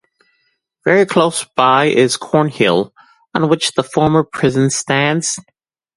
Very close by is Cornhill, on which the former prison stands.